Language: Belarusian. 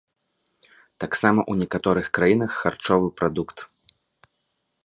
Таксама ў некаторых краінах харчовы прадукт.